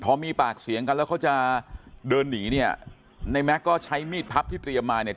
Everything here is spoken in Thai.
พอมีปากเสียงกันแล้วเขาจะเดินหนีเนี่ยในแม็กซ์ก็ใช้มีดพับที่เตรียมมาเนี่ย